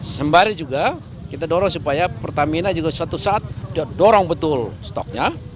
sembari juga kita dorong supaya pertamina juga suatu saat dorong betul stoknya